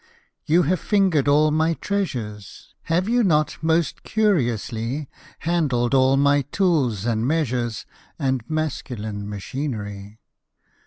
You have fingered all my treasures, Have you not, most curiously, Handled all my tools and measures And masculine machinery?